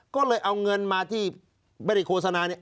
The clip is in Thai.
ก็เลยเอาเงินมาที่บริโฆษณานี่